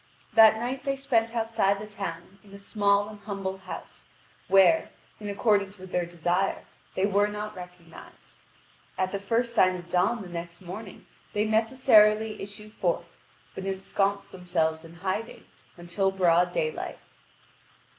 That night they spent outside the town in a small and humble house, where, in accordance with their desire, they were not recognised. At the first sign of dawn the next morning they necessarily issue forth, but ensconce themselves in hiding until broad daylight.